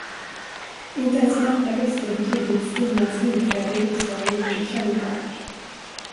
Inte ens Märta visste hur tydligt Stinas inträde i riksdagen gjort sig kännbart.